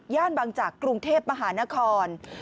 บางจากกรุงเทพมหานคร